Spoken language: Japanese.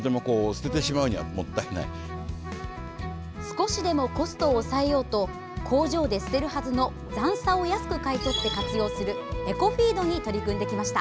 少しでもコストを抑えようと工場で捨てるはずの残さを安く買い取って活用するエコフィードに取り組んできました。